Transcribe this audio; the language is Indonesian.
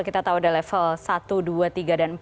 kita tahu ada level satu dua tiga dan empat